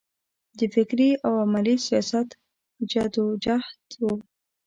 د فکري او عملي سیاست جدوجهد و.